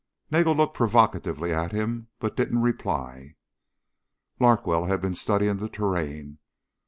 Nagel looked provocatively at him but didn't reply. Larkwell had been studying the terrain.